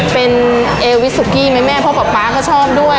เป็นเอวิสสุกี้ไหมแม่พ่อพ่อป๊าก็ชอบด้วย